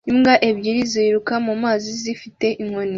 Imbwa ebyiri ziruka mu mazi zifite inkoni